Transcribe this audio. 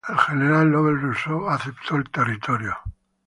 El general Lovell Rousseau aceptó el territorio.